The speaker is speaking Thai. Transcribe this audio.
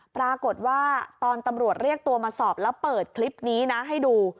ปรากฏว่าตอนตำรวจเรียกตัวมาสอบแล้วเปิดคลิปนี้นะให้ดู